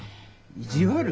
意地悪？